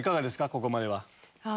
ここまでは。